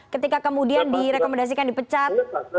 ketika kemudian direkomendasikan dipecat